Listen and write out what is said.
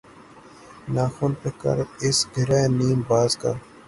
ناخن پہ قرض اس گرہِ نیم باز کا